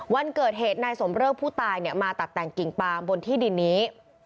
วันเกิดเหตุนายสมเริกผู้ตายมาตัดแต่งกิ่งปามบนที่ดินนี้